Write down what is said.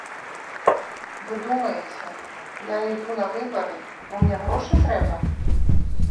Вы думаеце, я іду на выбары, бо мне грошы трэба?